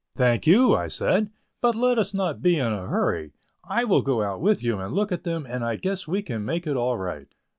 "Thank you," I said, "but let us not be in a hurry. I will go out with you and look at them, and I guess we can make it all right."